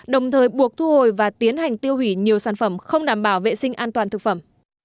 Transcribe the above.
đồng thời buộc thu hồi và tiến hành tiêu hủy nhiều sản phẩm không đảm bảo vệ sinh an toàn thực phẩm